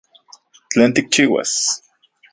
¿Tlen tikchiuas?